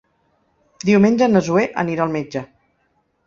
Diumenge na Zoè anirà al metge.